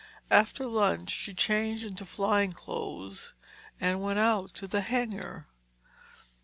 After lunch she changed into flying clothes and went out to the hangar.